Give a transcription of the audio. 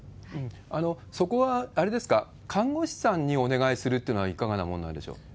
そこはあれですか、看護師さんにお願いするというのはいかがなものなんでしょう？